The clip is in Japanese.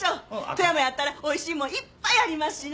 富山やったらおいしいもんいっぱいありますしな。